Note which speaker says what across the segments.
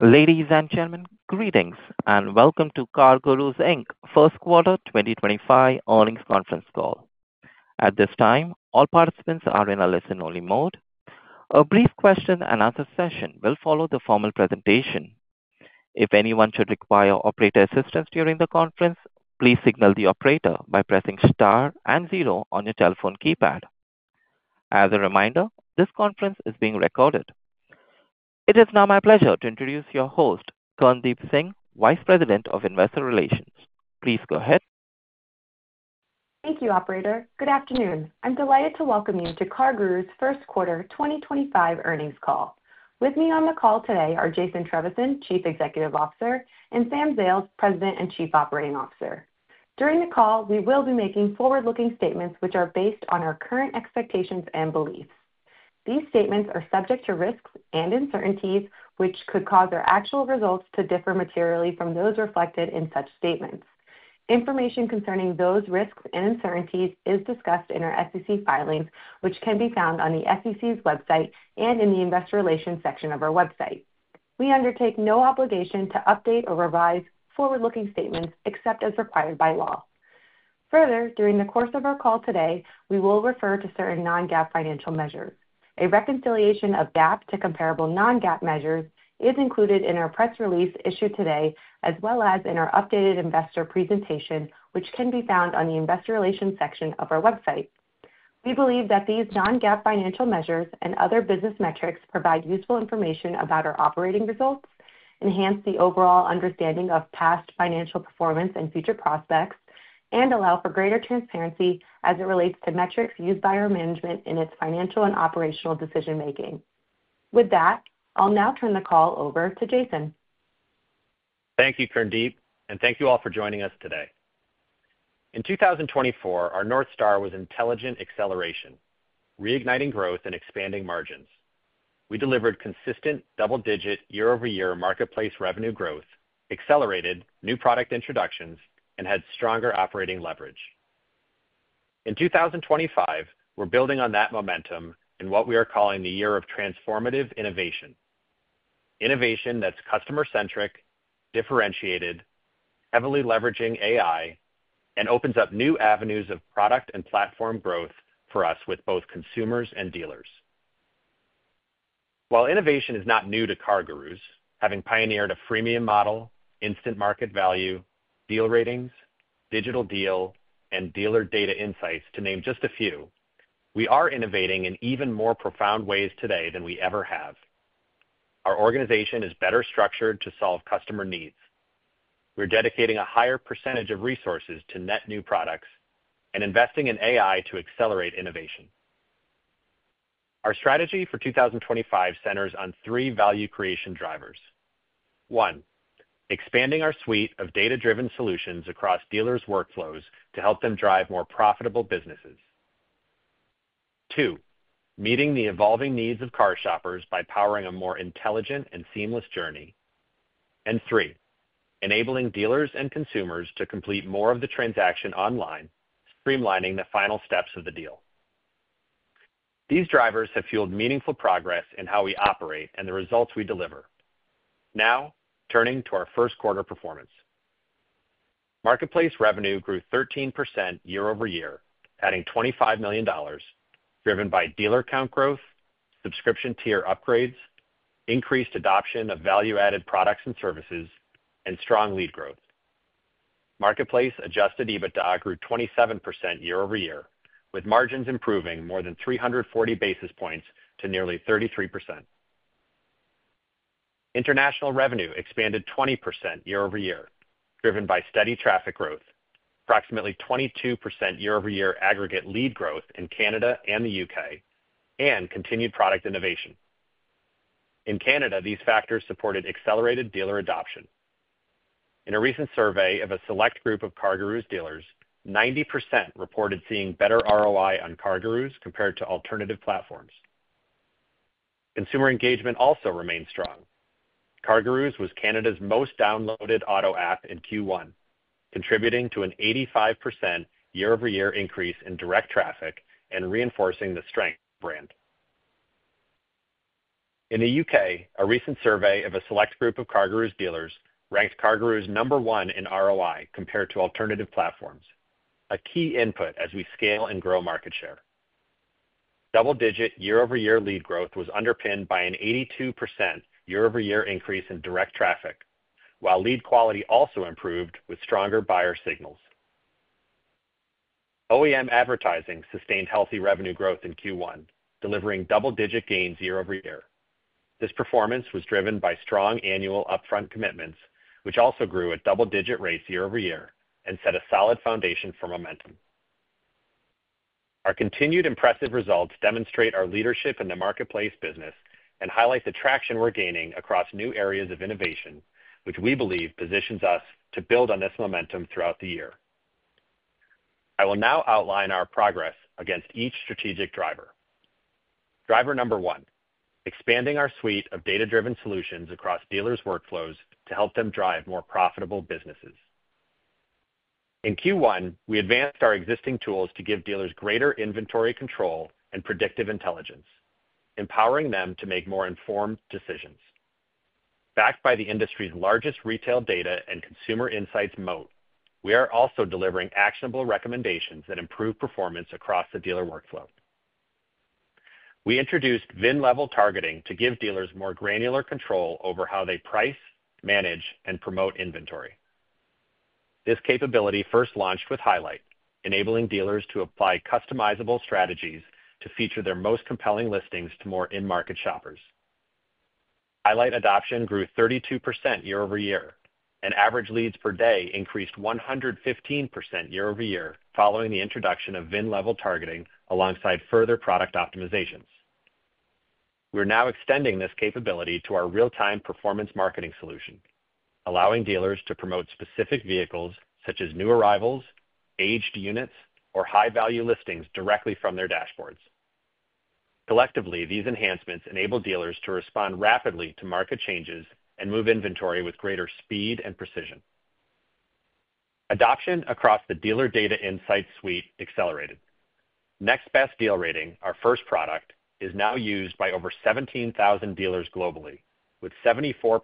Speaker 1: Ladies and gentlemen, greetings and welcome to CarGurus First Quarter 2025 earnings conference call. At this time, all participants are in a listen-only mode. A brief question-and-answer session will follow the formal presentation. If anyone should require operator assistance during the conference, please signal the operator by pressing star and zero on your telephone keypad. As a reminder, this conference is being recorded. It is now my pleasure to introduce your host, Kirndeep Singh, Vice President of Investor Relations. Please go ahead.
Speaker 2: Thank you, Operator. Good afternoon. I'm delighted to welcome you to CarGurus First Quarter 2025 earnings call. With me on the call today are Jason Trevisan, Chief Executive Officer, and Sam Zales, President and Chief Operating Officer. During the call, we will be making forward-looking statements which are based on our current expectations and beliefs. These statements are subject to risks and uncertainties which could cause our actual results to differ materially from those reflected in such statements. Information concerning those risks and uncertainties is discussed in our SEC filings, which can be found on the SEC's website and in the Investor Relations section of our website. We undertake no obligation to update or revise forward-looking statements except as required by law. Further, during the course of our call today, we will refer to certain non-GAAP financial measures. A reconciliation of GAAP to comparable non-GAAP measures is included in our press release issued today, as well as in our updated investor presentation, which can be found on the Investor Relations section of our website. We believe that these non-GAAP financial measures and other business metrics provide useful information about our operating results, enhance the overall understanding of past financial performance and future prospects, and allow for greater transparency as it relates to metrics used by our management in its financial and operational decision-making. With that, I'll now turn the call over to Jason.
Speaker 3: Thank you, Kirndeep, and thank you all for joining us today. In 2024, our North Star was intelligent acceleration, reigniting growth and expanding margins. We delivered consistent double-digit year-over-year marketplace revenue growth, accelerated new product introductions, and had stronger operating leverage. In 2025, we're building on that momentum in what we are calling the year of transformative innovation. Innovation that's customer-centric, differentiated, heavily leveraging AI, and opens up new avenues of product and platform growth for us with both consumers and dealers. While innovation is not new to CarGurus, having pioneered a freemium model, instant market value, deal ratings, Digital Deal, and dealer data insights to name just a few, we are innovating in even more profound ways today than we ever have. Our organization is better structured to solve customer needs. We're dedicating a higher percentage of resources to net new products and investing in AI to accelerate innovation. Our strategy for 2025 centers on three value creation drivers. One, expanding our suite of data-driven solutions across dealers' workflows to help them drive more profitable businesses. Two, meeting the evolving needs of car shoppers by powering a more intelligent and seamless journey. Three, enabling dealers and consumers to complete more of the transaction online, streamlining the final steps of the deal. These drivers have fueled meaningful progress in how we operate and the results we deliver. Now, turning to our first quarter performance. Marketplace revenue grew 13% year-over-year, adding $25 million, driven by dealer count growth, subscription tier upgrades, increased adoption of value-added products and services, and strong lead growth. Marketplace adjusted EBITDA grew 27% year-over-year, with margins improving more than 340 basis points to nearly 33%. International revenue expanded 20% year-over-year, driven by steady traffic growth, approximately 22% year-over-year aggregate lead growth in Canada and the U.K., and continued product innovation. In Canada, these factors supported accelerated dealer adoption. In a recent survey of a select group of CarGurus dealers, 90% reported seeing better ROI on CarGurus compared to alternative platforms. Consumer engagement also remained strong. CarGurus was Canada's most downloaded auto app in Q1, contributing to an 85% year-over-year increase in direct traffic and reinforcing the strength of the brand. In the U.K., a recent survey of a select group of CarGurus dealers ranked CarGurus number one in ROI compared to alternative platforms, a key input as we scale and grow market share. Double-digit year-over-year lead growth was underpinned by an 82% year-over-year increase in direct traffic, while lead quality also improved with stronger buyer signals. OEM advertising sustained healthy revenue growth in Q1, delivering double-digit gains year-over-year. This performance was driven by strong annual upfront commitments, which also grew at double-digit rates year-over-year and set a solid foundation for momentum. Our continued impressive results demonstrate our leadership in the marketplace business and highlight the traction we're gaining across new areas of innovation, which we believe positions us to build on this momentum throughout the year. I will now outline our progress against each strategic driver. Driver number one: expanding our suite of data-driven solutions across dealers' workflows to help them drive more profitable businesses. In Q1, we advanced our existing tools to give dealers greater inventory control and predictive intelligence, empowering them to make more informed decisions. Backed by the industry's largest retail data and consumer insights moat, we are also delivering actionable recommendations that improve performance across the dealer workflow. We introduced VIN-level targeting to give dealers more granular control over how they price, manage, and promote inventory. This capability first launched with Highlight, enabling dealers to apply customizable strategies to feature their most compelling listings to more in-market shoppers. Highlight adoption grew 32% year-over-year, and average leads per day increased 115% year-over-year following the introduction of VIN-level targeting alongside further product optimizations. We're now extending this capability to our real-time performance marketing solution, allowing dealers to promote specific vehicles such as new arrivals, aged units, or high-value listings directly from their dashboards. Collectively, these enhancements enable dealers to respond rapidly to market changes and move inventory with greater speed and precision. Adoption across the dealer data insights suite accelerated. Next Best Deal rating, our first product, is now used by over 17,000 dealers globally, with 74%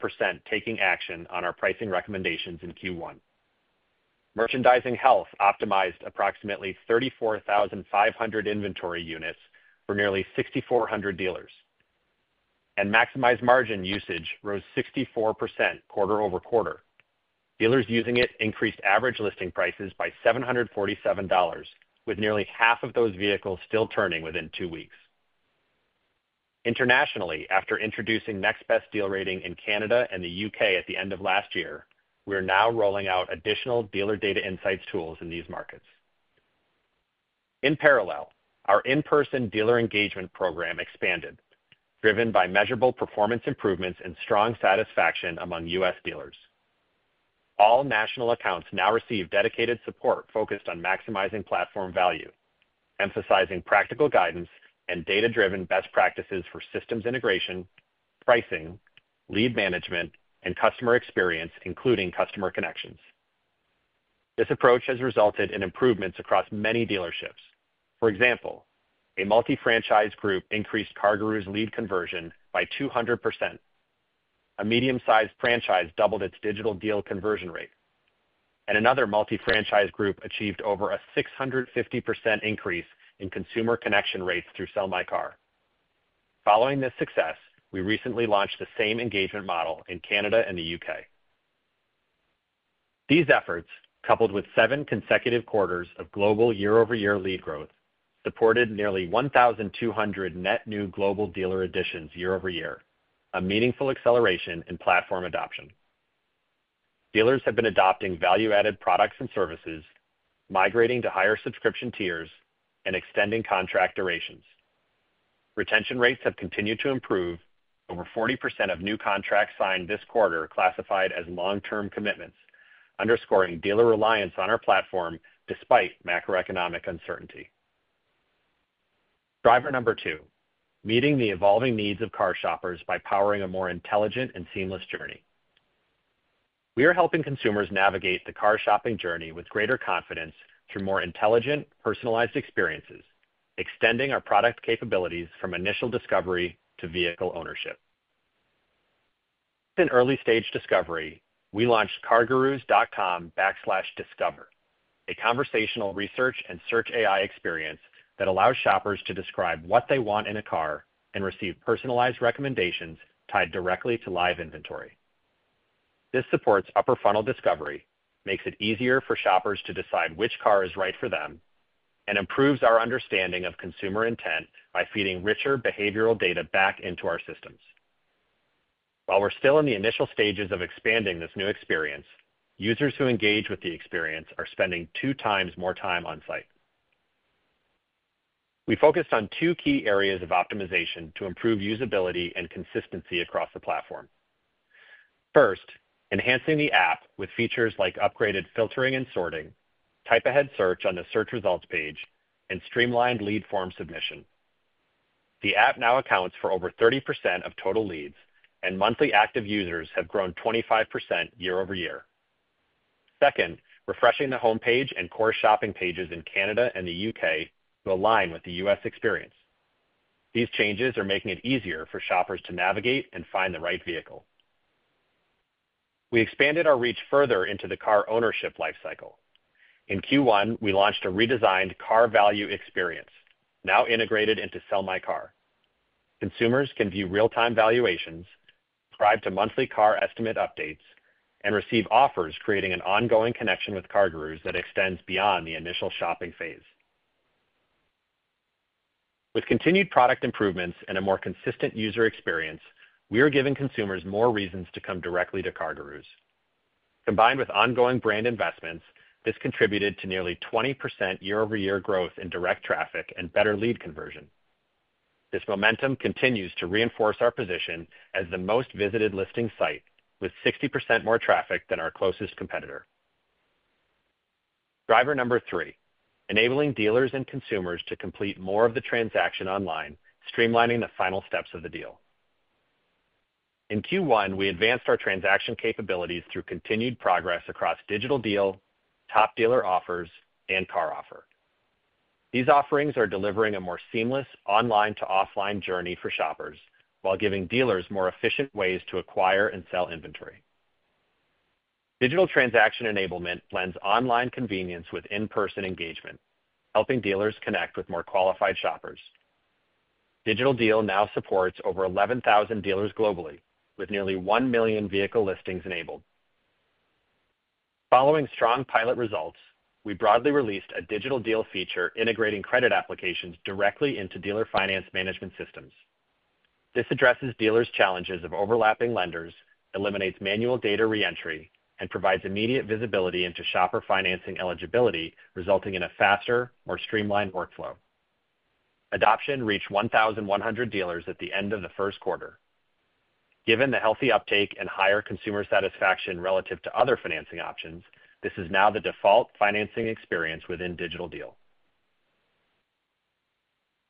Speaker 3: taking action on our pricing recommendations in Q1. Merchandising Health optimized approximately 34,500 inventory units for nearly 6,400 dealers, and maximized margin usage rose 64% quarter over quarter. Dealers using it increased average listing prices by $747, with nearly half of those vehicles still turning within two weeks. Internationally, after introducing Next Best Deal rating in Canada and the U.K. at the end of last year, we're now rolling out additional dealer data insights tools in these markets. In parallel, our in-person dealer engagement program expanded, driven by measurable performance improvements and strong satisfaction among U.S. dealers. All national accounts now receive dedicated support focused on maximizing platform value, emphasizing practical guidance and data-driven best practices for systems integration, pricing, lead management, and customer experience, including customer connections. This approach has resulted in improvements across many dealerships. For example, a multi-franchise group increased CarGurus lead conversion by 200%. A medium-sized franchise doubled its Digital Deal conversion rate, and another multi-franchise group achieved over a 650% increase in consumer connection rates through Sell My Car. Following this success, we recently launched the same engagement model in Canada and the U.K. These efforts, coupled with seven consecutive quarters of global year-over-year lead growth, supported nearly 1,200 net new global dealer additions year-over-year, a meaningful acceleration in platform adoption. Dealers have been adopting value-added products and services, migrating to higher subscription tiers, and extending contract durations. Retention rates have continued to improve. Over 40% of new contracts signed this quarter classified as long-term commitments, underscoring dealer reliance on our platform despite macroeconomic uncertainty. Driver number two: meeting the evolving needs of car shoppers by powering a more intelligent and seamless journey. We are helping consumers navigate the car shopping journey with greater confidence through more intelligent, personalized experiences, extending our product capabilities from initial discovery to vehicle ownership. In early-stage discovery, we launched cargurus.com/discover, a conversational research and search AI experience that allows shoppers to describe what they want in a car and receive personalized recommendations tied directly to live inventory. This supports upper-funnel discovery, makes it easier for shoppers to decide which car is right for them, and improves our understanding of consumer intent by feeding richer behavioral data back into our systems. While we're still in the initial stages of expanding this new experience, users who engage with the experience are spending two times more time on-site. We focused on two key areas of optimization to improve usability and consistency across the platform. First, enhancing the app with features like upgraded filtering and sorting, type-ahead search on the search results page, and streamlined lead form submission. The app now accounts for over 30% of total leads, and monthly active users have grown 25% year-over-year. Second, refreshing the homepage and core shopping pages in Canada and the U.K. to align with the U.S. experience. These changes are making it easier for shoppers to navigate and find the right vehicle. We expanded our reach further into the car ownership lifecycle. In Q1, we launched a redesigned car value experience, now integrated into Sell My Car. Consumers can view real-time valuations, subscribe to monthly car estimate updates, and receive offers creating an ongoing connection with CarGurus that extends beyond the initial shopping phase. With continued product improvements and a more consistent user experience, we are giving consumers more reasons to come directly to CarGurus. Combined with ongoing brand investments, this contributed to nearly 20% year-over-year growth in direct traffic and better lead conversion. This momentum continues to reinforce our position as the most visited listing site, with 60% more traffic than our closest competitor. Driver number three: enabling dealers and consumers to complete more of the transaction online, streamlining the final steps of the deal. In Q1, we advanced our transaction capabilities through continued progress across Digital Deal, Top Dealer Offers, and CarOffer. These offerings are delivering a more seamless online-to-offline journey for shoppers while giving dealers more efficient ways to acquire and sell inventory. Digital transaction enablement blends online convenience with in-person engagement, helping dealers connect with more qualified shoppers. Digital Deal now supports over 11,000 dealers globally, with nearly 1 million vehicle listings enabled. Following strong pilot results, we broadly released a Digital Deal feature integrating credit applications directly into dealer finance management systems. This addresses dealers' challenges of overlapping lenders, eliminates manual data re-entry, and provides immediate visibility into shopper financing eligibility, resulting in a faster, more streamlined workflow. Adoption reached 1,100 dealers at the end of the first quarter. Given the healthy uptake and higher consumer satisfaction relative to other financing options, this is now the default financing experience within Digital Deal.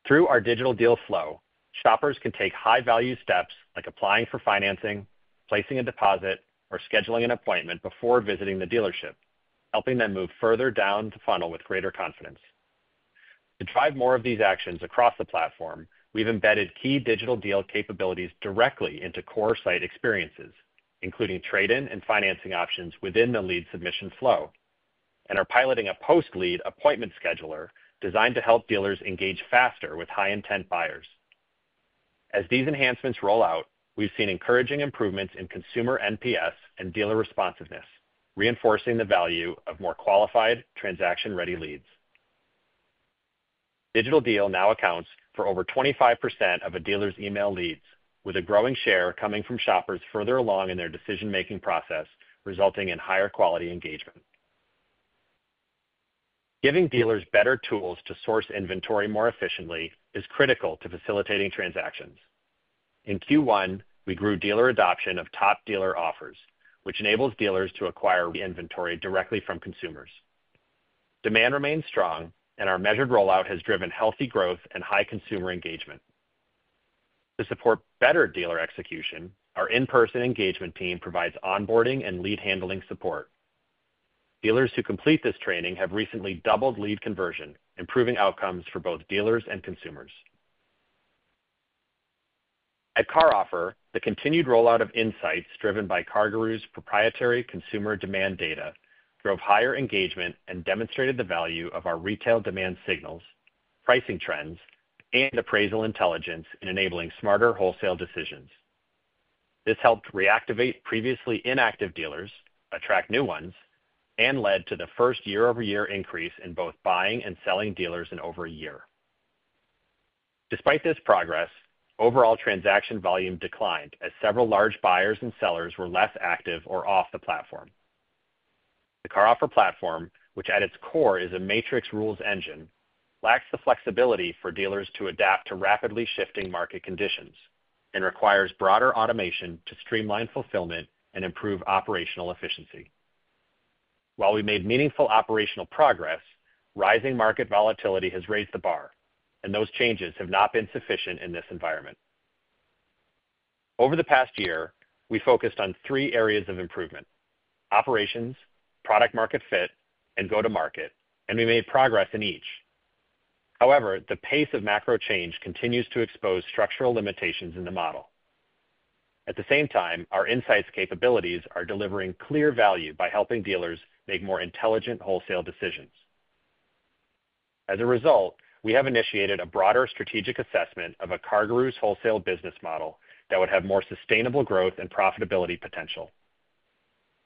Speaker 3: Through our digital deal flow, shoppers can take high-value steps like applying for financing, placing a deposit, or scheduling an appointment before visiting the dealership, helping them move further down the funnel with greater confidence. To drive more of these actions across the platform, we've embedded key Digital Deal capabilities directly into core site experiences, including trade-in and financing options within the lead submission flow, and are piloting a post-lead appointment scheduler designed to help dealers engage faster with high-intent buyers. As these enhancements roll out, we've seen encouraging improvements in consumer NPS and dealer responsiveness, reinforcing the value of more qualified, transaction-ready leads. Digital Deal now accounts for over 25% of a dealer's email leads, with a growing share coming from shoppers further along in their decision-making process, resulting in higher quality engagement. Giving dealers better tools to source inventory more efficiently is critical to facilitating transactions. In Q1, we grew dealer adoption of Top Dealer Offers, which enables dealers to acquire re-inventory directly from consumers. Demand remains strong, and our measured rollout has driven healthy growth and high consumer engagement. To support better dealer execution, our in-person engagement team provides onboarding and lead handling support. Dealers who complete this training have recently doubled lead conversion, improving outcomes for both dealers and consumers. At CarOffer, the continued rollout of insights driven by CarGurus proprietary consumer demand data drove higher engagement and demonstrated the value of our retail demand signals, pricing trends, and appraisal intelligence in enabling smarter wholesale decisions. This helped reactivate previously inactive dealers, attract new ones, and led to the first year-over-year increase in both buying and selling dealers in over a year. Despite this progress, overall transaction volume declined as several large buyers and sellers were less active or off the platform. The CarOffer platform, which at its core is a matrix rules engine, lacks the flexibility for dealers to adapt to rapidly shifting market conditions and requires broader automation to streamline fulfillment and improve operational efficiency. While we made meaningful operational progress, rising market volatility has raised the bar, and those changes have not been sufficient in this environment. Over the past year, we focused on three areas of improvement: operations, product-market fit, and go-to-market, and we made progress in each. However, the pace of macro change continues to expose structural limitations in the model. At the same time, our insights capabilities are delivering clear value by helping dealers make more intelligent wholesale decisions. As a result, we have initiated a broader strategic assessment of a CarGurus wholesale business model that would have more sustainable growth and profitability potential.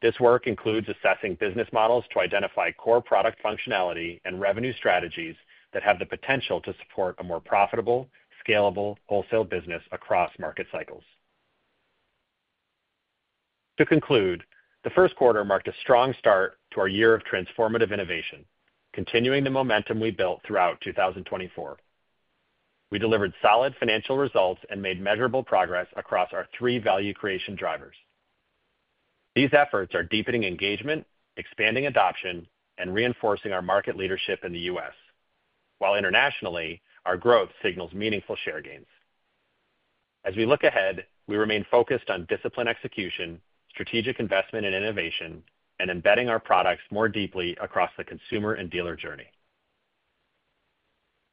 Speaker 3: This work includes assessing business models to identify core product functionality and revenue strategies that have the potential to support a more profitable, scalable wholesale business across market cycles. To conclude, the first quarter marked a strong start to our year of transformative innovation, continuing the momentum we built throughout 2024. We delivered solid financial results and made measurable progress across our three value creation drivers. These efforts are deepening engagement, expanding adoption, and reinforcing our market leadership in the U.S., while internationally, our growth signals meaningful share gains. As we look ahead, we remain focused on disciplined execution, strategic investment and innovation, and embedding our products more deeply across the consumer and dealer journey.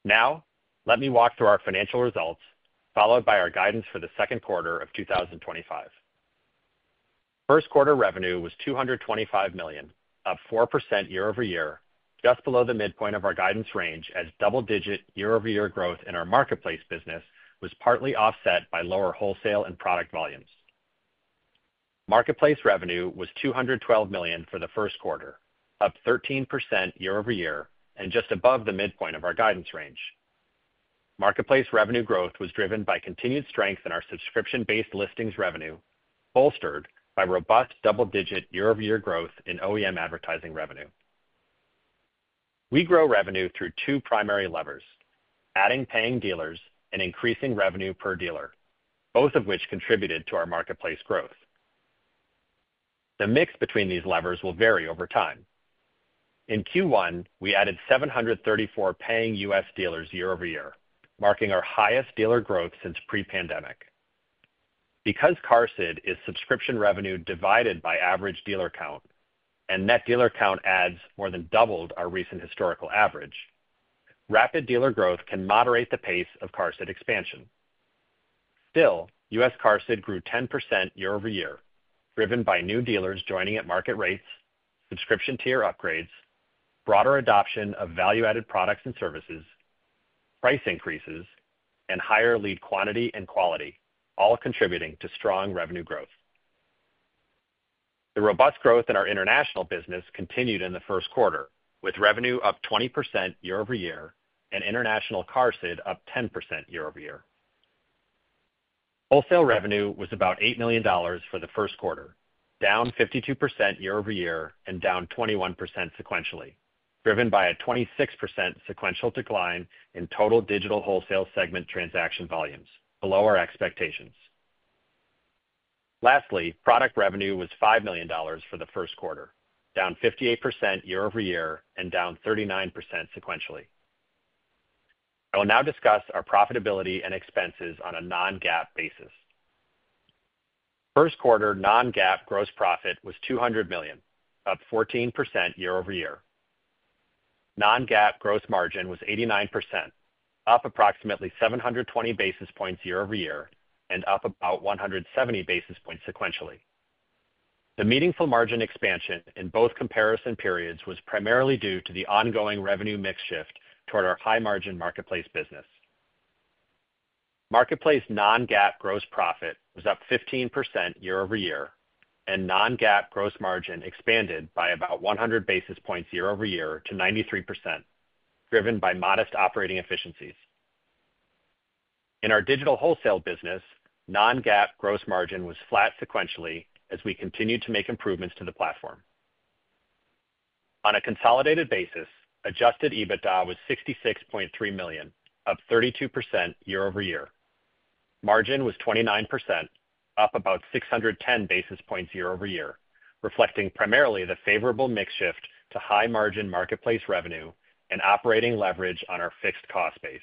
Speaker 3: Now, let me walk through our financial results, followed by our guidance for the second quarter of 2025. First quarter revenue was $225 million, up 4% year-over-year, just below the midpoint of our guidance range as double-digit year-over-year growth in our marketplace business was partly offset by lower wholesale and product volumes. Marketplace revenue was $212 million for the first quarter, up 13% year-over-year and just above the midpoint of our guidance range. Marketplace revenue growth was driven by continued strength in our subscription-based listings revenue, bolstered by robust double-digit year-over-year growth in OEM advertising revenue. We grow revenue through two primary levers: adding paying dealers and increasing revenue per dealer, both of which contributed to our marketplace growth. The mix between these levers will vary over time. In Q1, we added 734 paying US dealers year-over-year, marking our highest dealer growth since pre-pandemic. Because CarSid is subscription revenue divided by average dealer count, and net dealer count adds more than doubled our recent historical average, rapid dealer growth can moderate the pace of CarSid expansion. Still, US CarSid grew 10% year-over-year, driven by new dealers joining at market rates, subscription tier upgrades, broader adoption of value-added products and services, price increases, and higher lead quantity and quality, all contributing to strong revenue growth. The robust growth in our international business continued in the first quarter, with revenue up 20% year-over-year and international CarSid up 10% year-over-year. Wholesale revenue was about $8 million for the first quarter, down 52% year-over-year and down 21% sequentially, driven by a 26% sequential decline in total digital wholesale segment transaction volumes, below our expectations. Lastly, product revenue was $5 million for the first quarter, down 58% year-over-year and down 39% sequentially. I will now discuss our profitability and expenses on a non-GAAP basis. First quarter non-GAAP gross profit was $200 million, up 14% year-over-year. Non-GAAP gross margin was 89%, up approximately 720 basis points year-over-year and up about 170 basis points sequentially. The meaningful margin expansion in both comparison periods was primarily due to the ongoing revenue mix shift toward our high-margin marketplace business. Marketplace non-GAAP gross profit was up 15% year-over-year, and non-GAAP gross margin expanded by about 100 basis points year-over-year to 93%, driven by modest operating efficiencies. In our digital wholesale business, non-GAAP gross margin was flat sequentially as we continued to make improvements to the platform. On a consolidated basis, adjusted EBITDA was $66.3 million, up 32% year-over-year. Margin was 29%, up about 610 basis points year-over-year, reflecting primarily the favorable mix shift to high-margin marketplace revenue and operating leverage on our fixed cost base.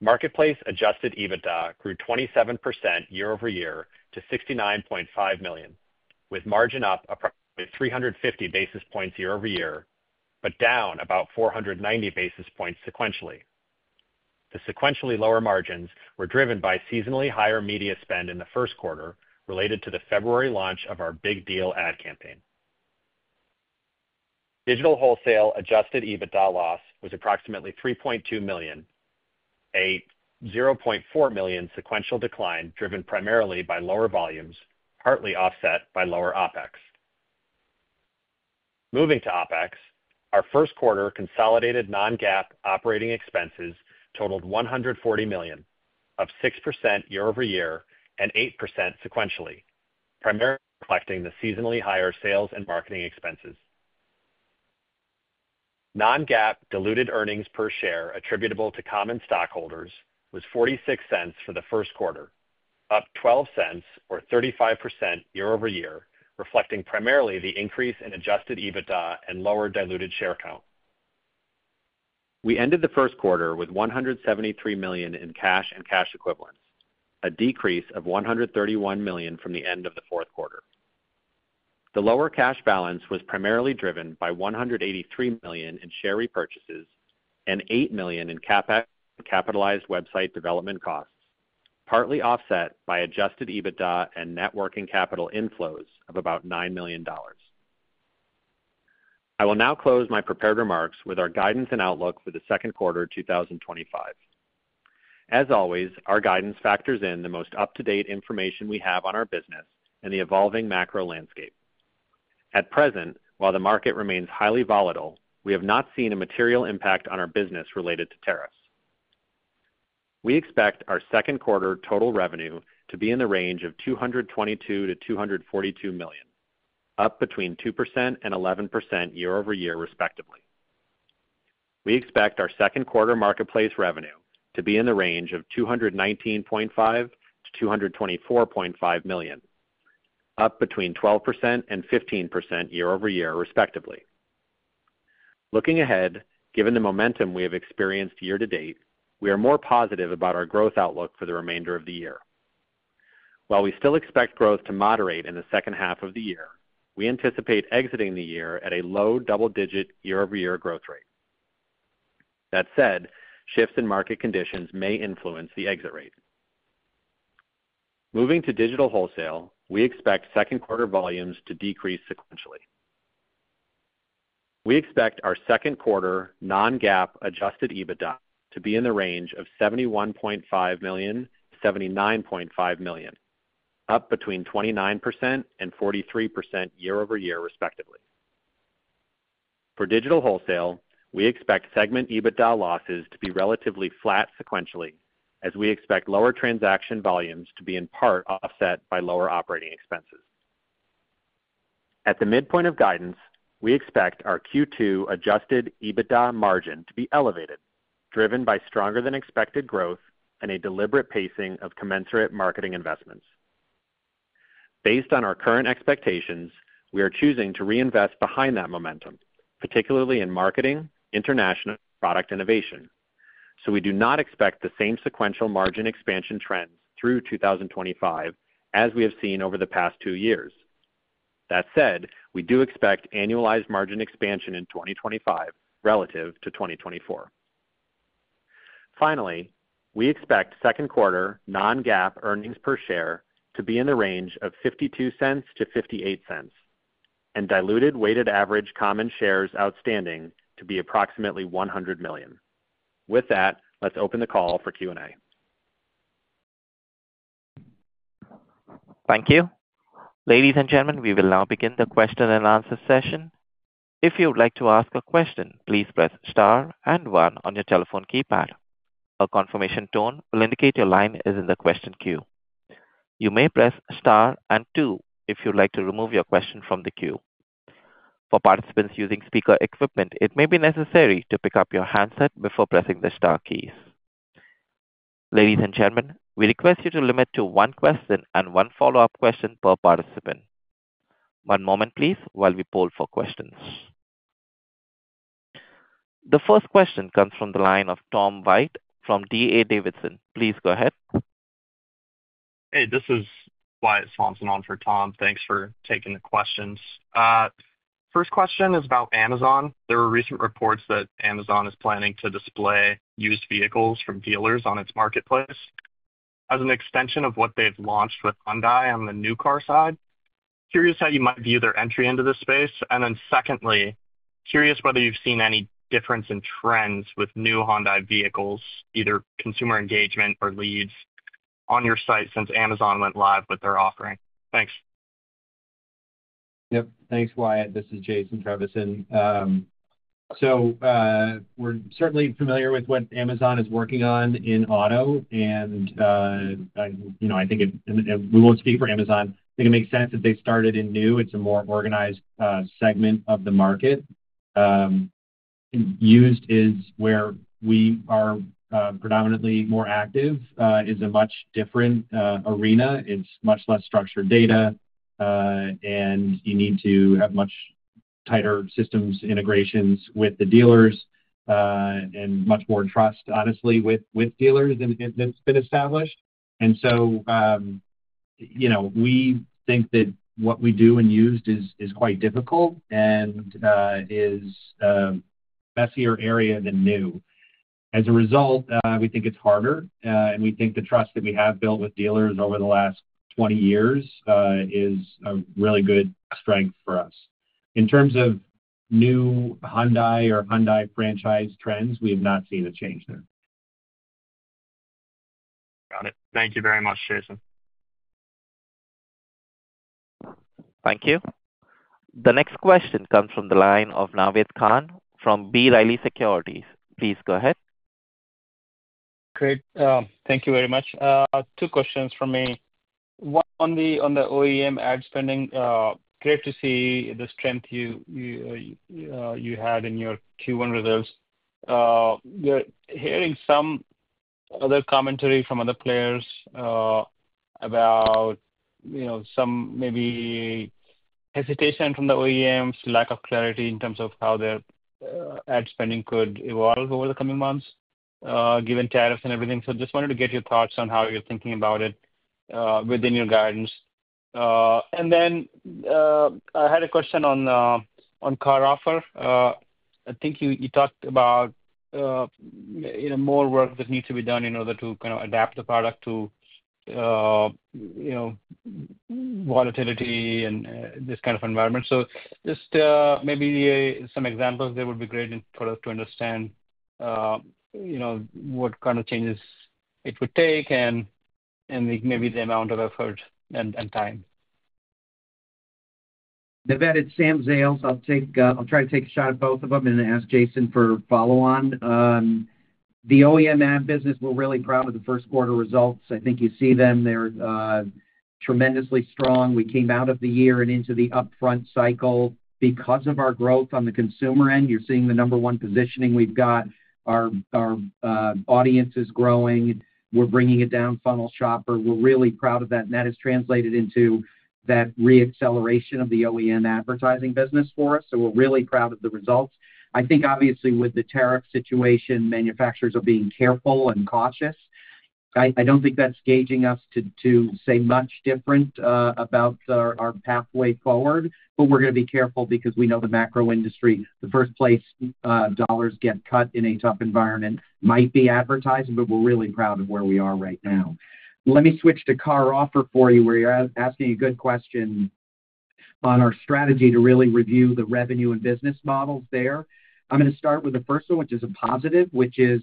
Speaker 3: Marketplace adjusted EBITDA grew 27% year-over-year to $69.5 million, with margin up approximately 350 basis points year-over-year, but down about 490 basis points sequentially. The sequentially lower margins were driven by seasonally higher media spend in the first quarter related to the February launch of our big deal ad campaign. Digital wholesale adjusted EBITDA loss was approximately $3.2 million, a $0.4 million sequential decline driven primarily by lower volumes, partly offset by lower OpEx. Moving to OpEx, our first quarter consolidated non-GAAP operating expenses totaled $140 million, up 6% year-over-year and 8% sequentially, primarily reflecting the seasonally higher sales and marketing expenses. Non-GAAP diluted earnings per share attributable to common stockholders was $0.46 for the first quarter, up $0.12 or 35% year-over-year, reflecting primarily the increase in adjusted EBITDA and lower diluted share count. We ended the first quarter with $173 million in cash and cash equivalents, a decrease of $131 million from the end of the fourth quarter. The lower cash balance was primarily driven by $183 million in share repurchases and $8 million in CapEx and capitalized website development costs, partly offset by adjusted EBITDA and networking capital inflows of about $9 million. I will now close my prepared remarks with our guidance and outlook for the second quarter of 2025. As always, our guidance factors in the most up-to-date information we have on our business and the evolving macro landscape. At present, while the market remains highly volatile, we have not seen a material impact on our business related to tariffs. We expect our second quarter total revenue to be in the range of $222 million-$242 million, up between 2%-11% year-over-year, respectively. We expect our second quarter marketplace revenue to be in the range of $219.5 million-$224.5 million, up between 12%-15% year-over-year, respectively. Looking ahead, given the momentum we have experienced year-to-date, we are more positive about our growth outlook for the remainder of the year. While we still expect growth to moderate in the second half of the year, we anticipate exiting the year at a low double-digit year-over-year growth rate. That said, shifts in market conditions may influence the exit rate. Moving to digital wholesale, we expect second quarter volumes to decrease sequentially. We expect our second quarter non-GAAP adjusted EBITDA to be in the range of $71.5 million-$79.5 million, up between 29% and 43% year-over-year, respectively. For digital wholesale, we expect segment EBITDA losses to be relatively flat sequentially, as we expect lower transaction volumes to be in part offset by lower operating expenses. At the midpoint of guidance, we expect our Q2 adjusted EBITDA margin to be elevated, driven by stronger-than-expected growth and a deliberate pacing of commensurate marketing investments. Based on our current expectations, we are choosing to reinvest behind that momentum, particularly in marketing and international product innovation, so we do not expect the same sequential margin expansion trends through 2025 as we have seen over the past two years. That said, we do expect annualized margin expansion in 2025 relative to 2024. Finally, we expect second quarter non-GAAP earnings per share to be in the range of $0.52-$0.58, and diluted weighted average common shares outstanding to be approximately 100 million. With that, let's open the call for Q&A.
Speaker 1: Thank you. Ladies and gentlemen, we will now begin the question and answer session. If you would like to ask a question, please press star and one on your telephone keypad. A confirmation tone will indicate your line is in the question queue. You may press star and two if you would like to remove your question from the queue. For participants using speaker equipment, it may be necessary to pick up your handset before pressing the star keys. Ladies and gentlemen, we request you to limit to one question and one follow-up question per participant. One moment, please, while we poll for questions. The first question comes from the line of Tom White from DA Davidson. Please go ahead.
Speaker 4: Hey, this is Wyatt Swanson on for Tom. Thanks for taking the questions. First question is about Amazon. There are recent reports that Amazon is planning to display used vehicles from dealers on its marketplace as an extension of what they've launched with Hyundai on the new car side. Curious how you might view their entry into this space. Secondly, curious whether you've seen any difference in trends with new Hyundai vehicles, either consumer engagement or leads, on your site since Amazon went live with their offering. Thanks.
Speaker 3: Yep. Thanks, Wyatt. This is Jason Trevisan. We're certainly familiar with what Amazon is working on in auto, and I think we won't speak for Amazon. I think it makes sense that they started in new. It's a more organized segment of the market. Used is where we are predominantly more active. It's a much different arena. It's much less structured data, and you need to have much tighter systems integrations with the dealers and much more trust, honestly, with dealers than has been established. We think that what we do in used is quite difficult and is a messier area than new. As a result, we think it's harder, and we think the trust that we have built with dealers over the last 20 years is a really good strength for us. In terms of new Hyundai or Hyundai franchise trends, we have not seen a change there.
Speaker 4: Got it. Thank you very much, Jason.
Speaker 1: Thank you. The next question comes from the line of Naved Khan from B. Riley Securities. Please go ahead.
Speaker 5: Great. Thank you very much. Two questions for me. One on the OEM ad spending. Great to see the strength you had in your Q1 results. We're hearing some other commentary from other players about some maybe hesitation from the OEMs, lack of clarity in terms of how their ad spending could evolve over the coming months, given tariffs and everything. I just wanted to get your thoughts on how you're thinking about it within your guidance. I had a question on CarOffer. I think you talked about more work that needs to be done in order to kind of adapt the product to volatility and this kind of environment. Just maybe some examples there would be great for us to understand what kind of changes it would take and maybe the amount of effort and time.
Speaker 6: Naved, it's Sam Zales, I'll try to take a shot at both of them and ask Jason for follow-on. The OEM ad business, we're really proud of the first quarter results. I think you see them. They're tremendously strong. We came out of the year and into the upfront cycle. Because of our growth on the consumer end, you're seeing the number one positioning we've got. Our audience is growing. We're bringing it down funnel shopper. We're really proud of that, and that has translated into that re-acceleration of the OEM advertising business for us. We're really proud of the results. I think, obviously, with the tariff situation, manufacturers are being careful and cautious. I don't think that's gauging us to say much different about our pathway forward, but we're going to be careful because we know the macro industry, the first-place dollars get cut in a tough environment, might be advertising, but we're really proud of where we are right now. Let me switch to CarOffer for you, where you're asking a good question on our strategy to really review the revenue and business models there. I'm going to start with the first one, which is a positive, which is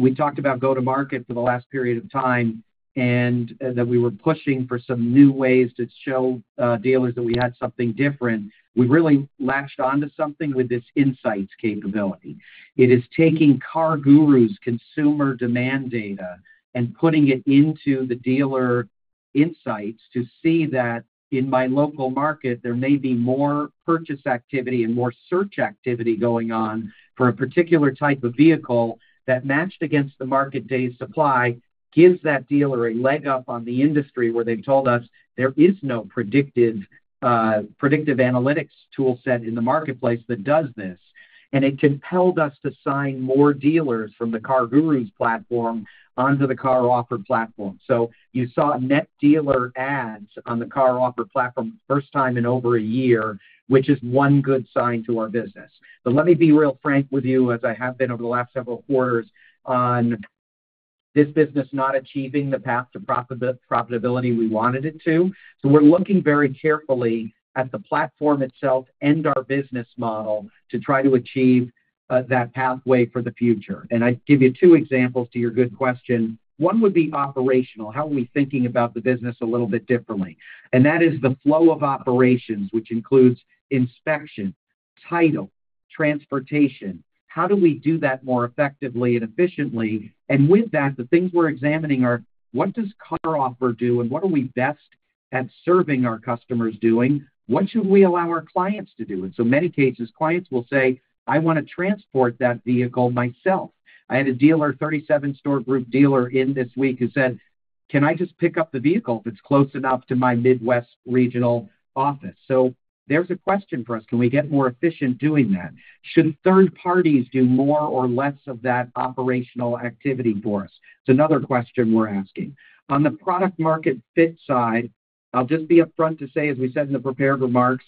Speaker 6: we talked about go-to-market for the last period of time and that we were pushing for some new ways to show dealers that we had something different. We really latched on to something with this insights capability. It is taking CarGurus consumer demand data and putting it into the dealer insights to see that in my local market, there may be more purchase activity and more search activity going on for a particular type of vehicle that matched against the market day's supply, gives that dealer a leg up on the industry where they've told us there is no predictive analytics toolset in the marketplace that does this. It compelled us to sign more dealers from the CarGurus platform onto the CarOffer platform. You saw net dealer adds on the CarOffer platform for the first time in over a year, which is one good sign to our business. Let me be real frank with you, as I have been over the last several quarters, on this business not achieving the path to profitability we wanted it to. We are looking very carefully at the platform itself and our business model to try to achieve that pathway for the future. I would give you two examples to your good question. One would be operational. How are we thinking about the business a little bit differently? That is the flow of operations, which includes inspection, title, transportation. How do we do that more effectively and efficiently? With that, the things we're examining are, what does CarOffer do, and what are we best at serving our customers doing? What should we allow our clients to do? In so many cases, clients will say, "I want to transport that vehicle myself." I had a dealer, 37-store group dealer in this week, who said, "Can I just pick up the vehicle if it's close enough to my Midwest regional office?" There is a question for us. Can we get more efficient doing that? Should third parties do more or less of that operational activity for us? It's another question we're asking. On the product market fit side, I'll just be upfront to say, as we said in the prepared remarks,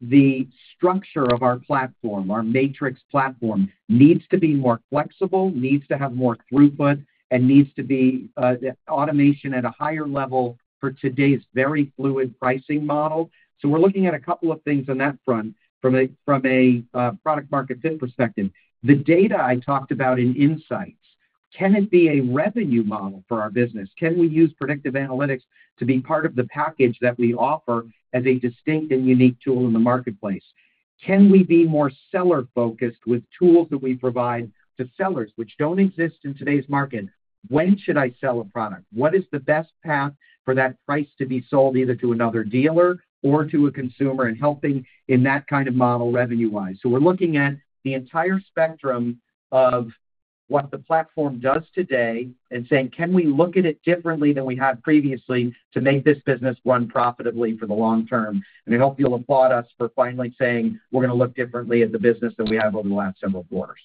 Speaker 6: the structure of our platform, our matrix platform, needs to be more flexible, needs to have more throughput, and needs to be automation at a higher level for today's very fluid pricing model. We're looking at a couple of things on that front from a product market fit perspective. The data I talked about in insights, can it be a revenue model for our business? Can we use predictive analytics to be part of the package that we offer as a distinct and unique tool in the marketplace? Can we be more seller-focused with tools that we provide to sellers, which don't exist in today's market? When should I sell a product? What is the best path for that price to be sold either to another dealer or to a consumer and helping in that kind of model revenue-wise? We are looking at the entire spectrum of what the platform does today and saying, "Can we look at it differently than we had previously to make this business run profitably for the long term?" I hope you will applaud us for finally saying, "We are going to look differently at the business than we have over the last several quarters."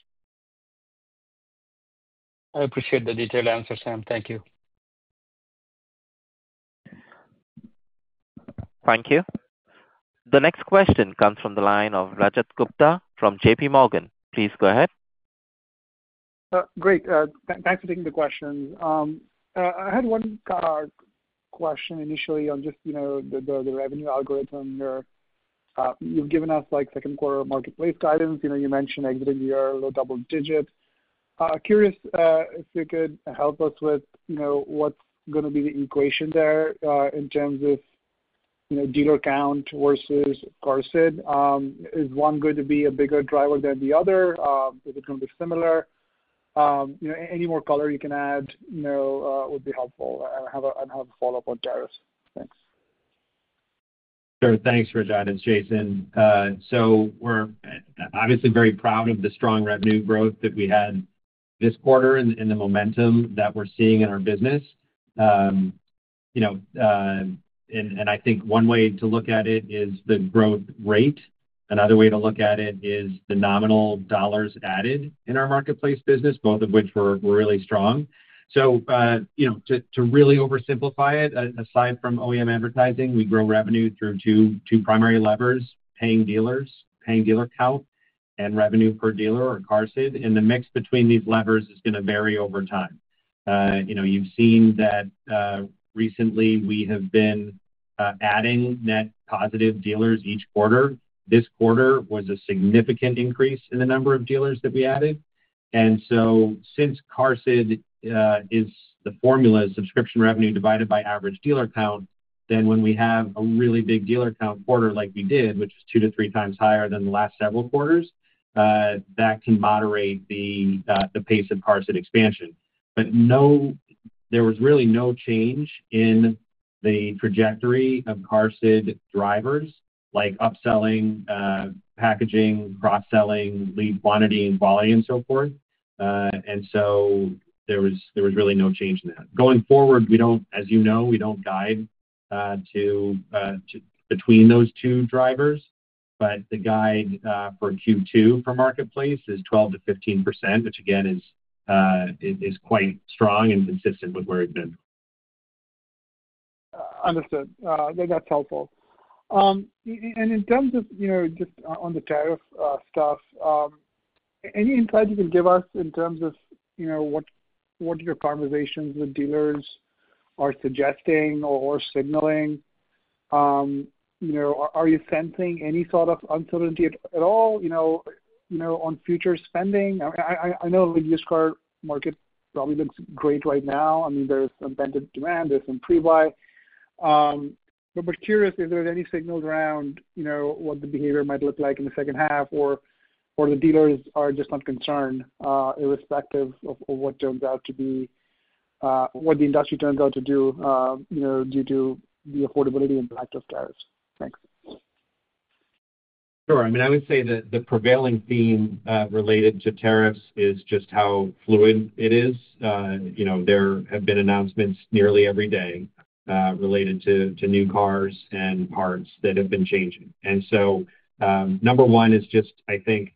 Speaker 5: I appreciate the detailed answer, Sam. Thank you.`
Speaker 1: Thank you. The next question comes from the line of Rajat Gupta from JPMorgan. Please go ahead.
Speaker 7: Great. Thanks for taking the question. I had one question initially on just the revenue algorithm. You have given us second quarter marketplace guidance. You mentioned exiting year low double digit. Curious if you could help us with what's going to be the equation there in terms of dealer count versus CarSid. Is one going to be a bigger driver than the other? Is it going to be similar? Any more color you can add would be helpful. I have a follow-up on tariffs. Thanks.
Speaker 3: Sure. Thanks, Rajat and Jason. We are obviously very proud of the strong revenue growth that we had this quarter and the momentum that we are seeing in our business. I think one way to look at it is the growth rate. Another way to look at it is the nominal dollars added in our marketplace business, both of which were really strong. To really oversimplify it, aside from OEM advertising, we grow revenue through two primary levers: paying dealers, paying dealer count, and revenue per dealer or CarSid. The mix between these levers is going to vary over time. You've seen that recently we have been adding net positive dealers each quarter. This quarter was a significant increase in the number of dealers that we added. Since CarSid is the formula, it is subscription revenue divided by average dealer count. When we have a really big dealer count quarter like we did, which is two to three times higher than the last several quarters, that can moderate the pace of CarSid expansion. There was really no change in the trajectory of CarSid drivers, like upselling, packaging, cross-selling, lead quantity, and volume, and so forth. There was really no change in that. Going forward, as you know, we don't guide between those two drivers, but the guide for Q2 for marketplace is 12%-15%, which again is quite strong and consistent with where we've been.
Speaker 7: Understood. That's helpful. In terms of just on the tariff stuff, any insight you can give us in terms of what your conversations with dealers are suggesting or signaling? Are you sensing any sort of uncertainty at all on future spending? I know the used car market probably looks great right now. I mean, there's some dented demand. There's some pre-buy. Curious, is there any signals around what the behavior might look like in the second half, or the dealers are just not concerned irrespective of what turns out to be what the industry turns out to do due to the affordability impact of tariffs? Thanks.
Speaker 3: Sure. I mean, I would say the prevailing theme related to tariffs is just how fluid it is. There have been announcements nearly every day related to new cars and parts that have been changing. Number one is just, I think,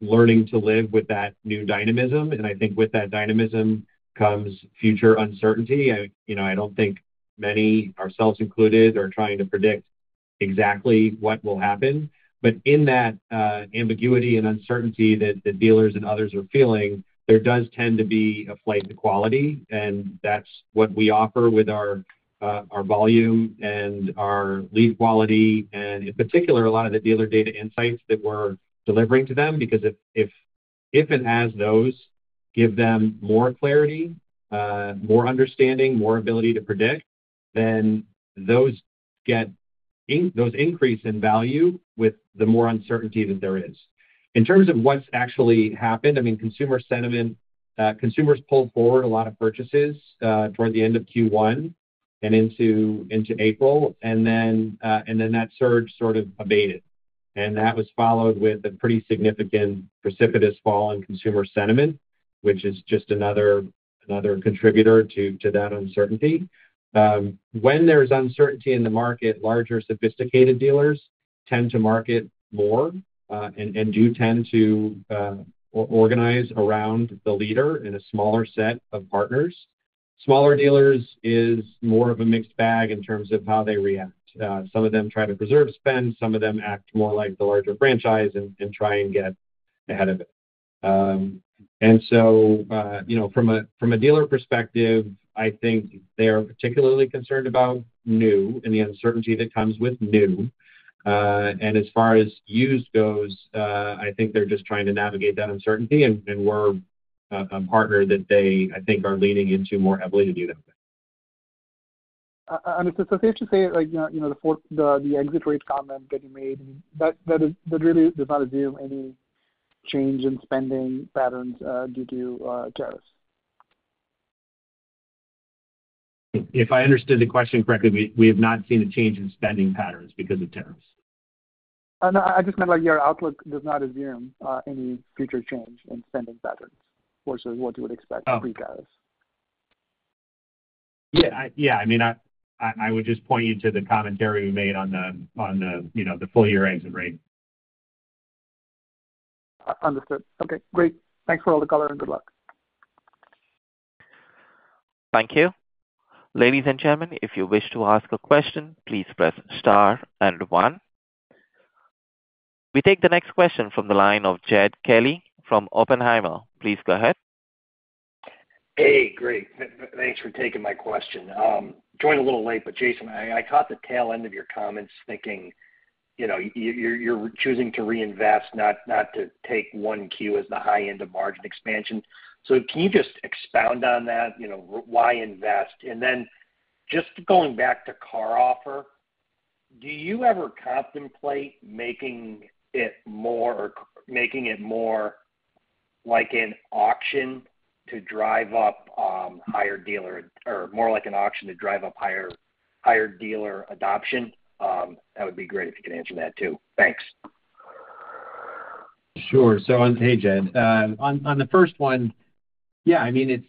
Speaker 3: learning to live with that new dynamism. I think with that dynamism comes future uncertainty. I do not think many, ourselves included, are trying to predict exactly what will happen. In that ambiguity and uncertainty that the dealers and others are feeling, there does tend to be a flight to quality. That is what we offer with our volume and our lead quality. In particular, a lot of the dealer data insights that we are delivering to them, because if and as those give them more clarity, more understanding, more ability to predict, then those increase in value with the more uncertainty that there is. In terms of what's actually happened, I mean, consumer sentiment, consumers pulled forward a lot of purchases toward the end of Q1 and into April. That surge sort of abated. That was followed with a pretty significant precipitous fall in consumer sentiment, which is just another contributor to that uncertainty. When there's uncertainty in the market, larger sophisticated dealers tend to market more and do tend to organize around the leader in a smaller set of partners. Smaller dealers is more of a mixed bag in terms of how they react. Some of them try to preserve spend. Some of them act more like the larger franchise and try and get ahead of it. From a dealer perspective, I think they are particularly concerned about new and the uncertainty that comes with new. As far as used goes, I think they're just trying to navigate that uncertainty. We're a partner that they, I think, are leaning into more heavily to do that.
Speaker 7: It is essential to say the exit rate comment that you made, that really does not assume any change in spending patterns due to tariffs.
Speaker 3: If I understood the question correctly, we have not seen a change in spending patterns because of tariffs.
Speaker 7: I just meant your outlook does not assume any future change in spending patterns versus what you would expect pre-tariffs.
Speaker 3: Yeah. I would just point you to the commentary we made on the full year exit rate.
Speaker 7: Understood. Okay. Great. Thanks for all the color and good luck.
Speaker 1: Thank you. Ladies and gentlemen, if you wish to ask a question, please press star and one. We take the next question from the line of Jed Kelly from Oppenheimer. Please go ahead.
Speaker 8: Hey, great. Thanks for taking my question. Joined a little late, but Jason, I caught the tail end of your comments thinking you're choosing to reinvest, not to take one Q as the high end of margin expansion. Can you just expound on that? Why invest? And then just going back to CarOffer, do you ever contemplate making it more or making it more like an auction to drive up higher dealer or more like an auction to drive up higher dealer adoption? That would be great if you could answer that too. Thanks.
Speaker 3: Sure. On to Jed. On the first one, yeah, I mean,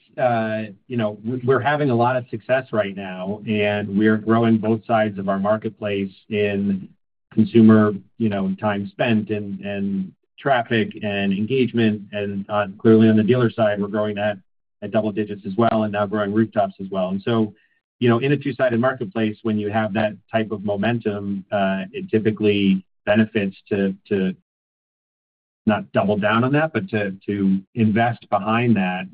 Speaker 3: we're having a lot of success right now, and we are growing both sides of our marketplace in consumer time spent and traffic and engagement. Clearly, on the dealer side, we're growing at double digits as well and now growing rooftops as well. In a two-sided marketplace, when you have that type of momentum, it typically benefits to not double down on that, but to invest behind that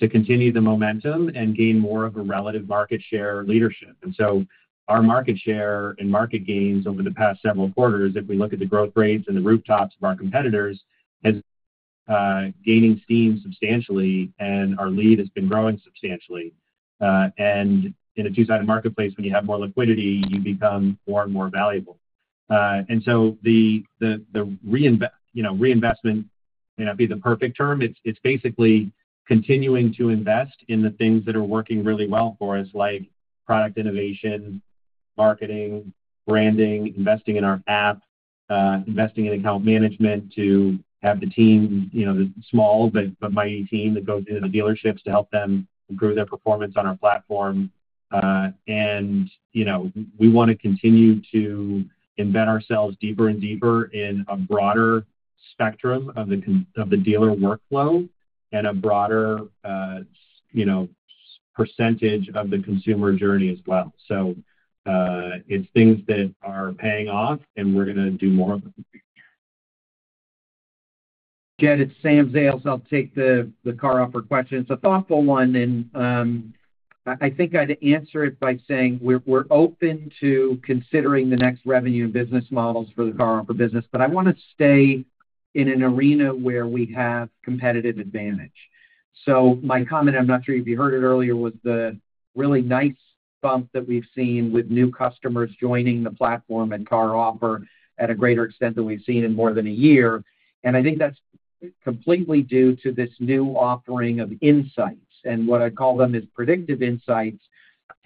Speaker 3: to continue the momentum and gain more of a relative market share leadership. Our market share and market gains over the past several quarters, if we look at the growth rates and the rooftops of our competitors, has gained steam substantially, and our lead has been growing substantially. In a two-sided marketplace, when you have more liquidity, you become more and more valuable. The reinvestment may not be the perfect term. It's basically continuing to invest in the things that are working really well for us, like product innovation, marketing, branding, investing in our app, investing in account management to have the team, the small but mighty team that goes into the dealerships to help them improve their performance on our platform. We want to continue to embed ourselves deeper and deeper in a broader spectrum of the dealer workflow and a broader percentage of the consumer journey as well. It's things that are paying off, and we're going to do more of them.
Speaker 6: Jed, it's Sam Zales. I'll take the CarOffer question. It's a thoughtful one, and I think I'd answer it by saying we're open to considering the next revenue and business models for the CarOffer business, but I want to stay in an arena where we have competitive advantage. My comment, I'm not sure if you heard it earlier, was the really nice bump that we've seen with new customers joining the platform and CarOffer at a greater extent than we've seen in more than a year. I think that's completely due to this new offering of insights and what I call them as predictive insights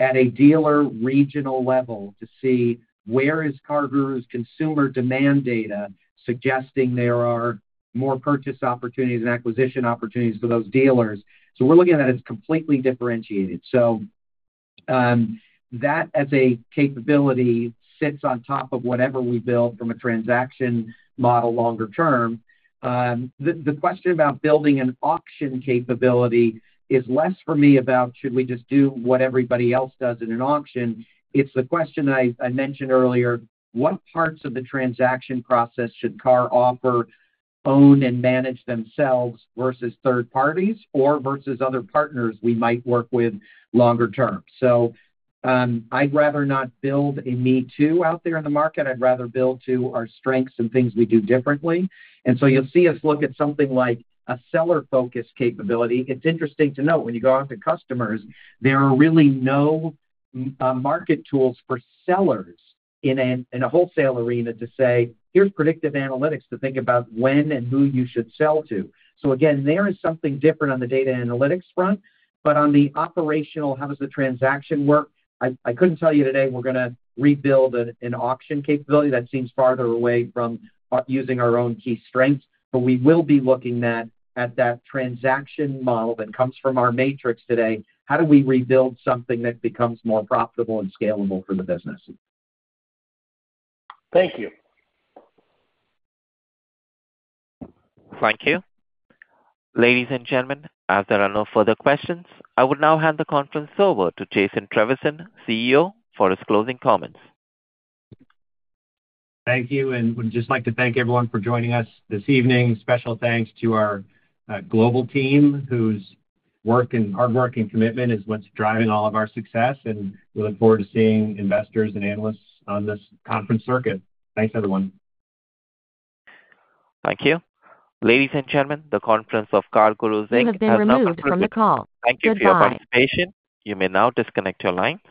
Speaker 6: at a dealer regional level to see where is CarGurus' consumer demand data suggesting there are more purchase opportunities and acquisition opportunities for those dealers. We're looking at that as completely differentiated. That as a capability sits on top of whatever we build from a transaction model longer term. The question about building an auction capability is less for me about should we just do what everybody else does in an auction. It's the question I mentioned earlier, what parts of the transaction process should CarOffer own and manage themselves versus third parties or versus other partners we might work with longer term? I'd rather not build a me too out there in the market. I'd rather build to our strengths and things we do differently. You'll see us look at something like a seller-focused capability. It's interesting to note when you go out to customers, there are really no market tools for sellers in a wholesale arena to say, "Here's predictive analytics to think about when and who you should sell to." There is something different on the data analytics front, but on the operational, how does the transaction work? I couldn't tell you today we're going to rebuild an auction capability. That seems farther away from using our own key strengths, but we will be looking at that transaction model that comes from our matrix today. How do we rebuild something that becomes more profitable and scalable for the business?
Speaker 8: Thank you.
Speaker 1: Thank you. Ladies and gentlemen, as there are no further questions, I will now hand the conference over to Jason Trevisan, CEO, for his closing comments.
Speaker 3: Thank you. We'd just like to thank everyone for joining us this evening. Special thanks to our global team whose work and hard work and commitment is what's driving all of our success. We look forward to seeing investors and analysts on this conference circuit. Thanks, everyone.
Speaker 1: Thank you. Ladies and gentlemen, the conference of CarGurus has now concluded. Thank you for your participation. You may now disconnect your line.